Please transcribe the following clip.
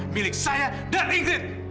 milik saya dan ingrid